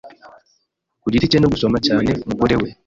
ku giti cye no gusoma cyane Umugore we